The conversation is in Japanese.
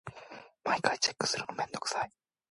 毎回チェックするのめんどくさい。